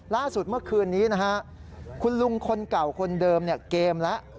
ล่าสุดเมื่อคืนนี้นะฮะคุณลุงคนเก่าคนเดิมเกมแล้ว